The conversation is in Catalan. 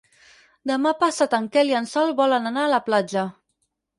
Demà passat en Quel i en Sol volen anar a la platja.